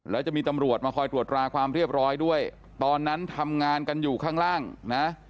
แล้วจะมีตำรวจมาคอยตรวจตราความเรียบร้อยด้วยตอนนั้นทำงานกันอยู่ข้างล่างนะ